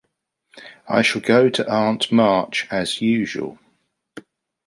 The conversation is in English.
I shall go to Aunt March, as usual.